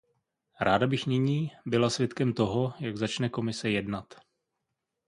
Ráda bych nyní byla svědkem toho, jak začne Komise jednat.